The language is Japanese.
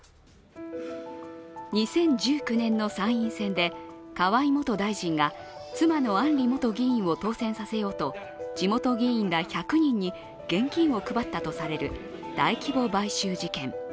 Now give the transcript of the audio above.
２０１９年の参院選で河井元大臣が妻の案里元議員を当選させようと地元議員ら１００人に現金を配ったとされる大規模買収事件。